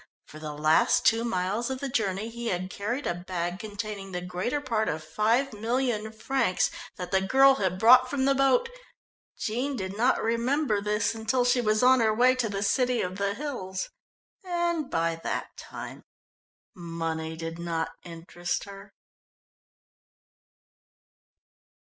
For the last two miles of the journey he had carried a bag containing the greater part of five million francs that the girl had brought from the boat. Jean did not remember this until she was on her way to the city of the hills, and by that time money did not interest her.